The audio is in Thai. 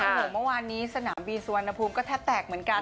โอ้โหเมื่อวานนี้สนามบินสุวรรณภูมิก็แทบแตกเหมือนกัน